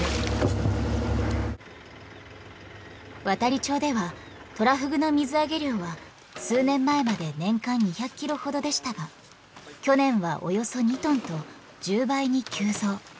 亘理町ではトラフグの水揚げ量は数年前まで年間２００キロほどでしたが去年はおよそ２トンと１０倍に急増。